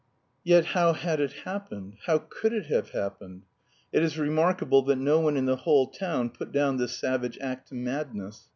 Yet, how had it happened? How could it have happened? It is remarkable that no one in the whole town put down this savage act to madness.